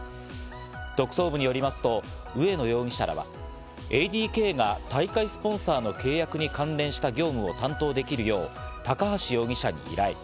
特捜部によりますと植野容疑者らはＡＤＫが大会スポンサーの契約に関連した業務を担当できるよう高橋容疑者に依頼。